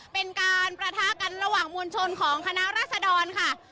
เป็นการประทะกันระหว่างมวลชนของคณะรัศดรค่ะ